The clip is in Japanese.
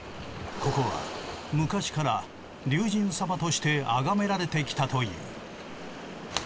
ここは昔から龍神様として崇められてきたという。